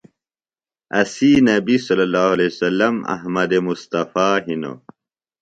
اسی نبیﷺ احمد مصطفٰے ہنوۡ۔